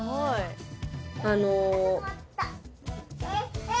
あの。